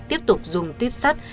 tiếp tục dùng tiếp sắt